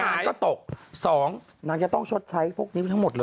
งานก็ตก๒นางจะต้องชดใช้พวกนี้ทั้งหมดเลย